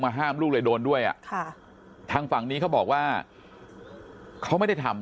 ห้ามลูกเลยโดนด้วยอ่ะค่ะทางฝั่งนี้เขาบอกว่าเขาไม่ได้ทำ